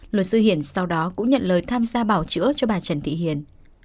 luật sư hiển sau đó cũng nhận lời tham gia bảo chữa cho bà trần thị hiền